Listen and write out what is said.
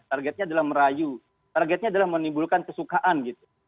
targetnya adalah merayu targetnya adalah menimbulkan kesukaan gitu